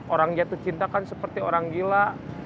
orang jatuh cinta kan seperti orang gila